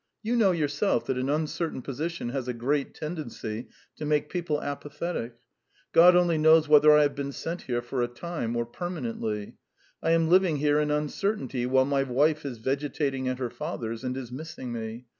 You know yourself that an uncertain position has a great tendency to make people apathetic. God only knows whether I have been sent here for a time or permanently. I am living here in uncertainty, while my wife is vegetating at her father's and is missing me.